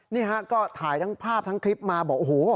นี่ฮะก็ถ่ายทั้งภาพทั้งคลิปมาบอกโอ้โห